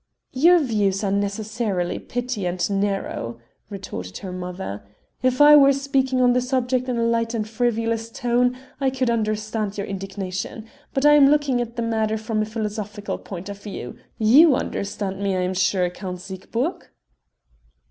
"Your views are necessarily petty and narrow," retorted her mother. "If I were speaking of the subject in a light and frivolous tone I could understand your indignation; but I am looking at the matter from a philosophical point of view you understand me, I am sure, Count Siegburg."